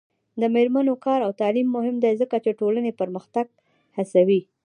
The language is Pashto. د میرمنو کار او تعلیم مهم دی ځکه چې ټولنې پرمختګ هڅوي.